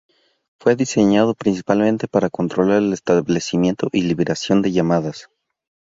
Fue diseñado principalmente para controlar el establecimiento y liberación de llamadas.